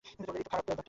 এইতো খারাপ দাঁতটা।